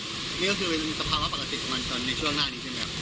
นี่ก็คือเป็นสภาวะปกติของมันในช่วงหน้านี้ใช่ไหมครับ